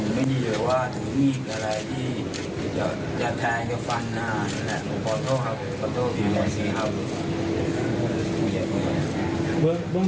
ทำอะไรคิดยิ่งหนึ่ง